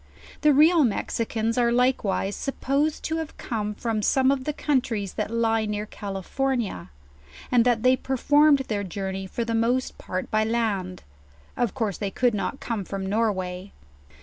The real Mexicans are likewise supposed to come from some of the countries that lie near California; and that they performed their journey for the most part by land; of course they could not come from Norway.